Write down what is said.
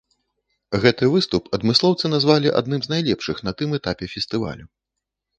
Гэты выступ адмыслоўцы назвалі адным з найлепшых на тым этапе фестывалю.